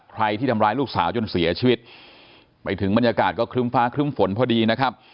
ใครที่ทำร้ายลูกสาวจนเสียชีวิตไปถึงบรรยากาศก็ครึ้มฟ้าครึ้มฝนพอดีนะครับ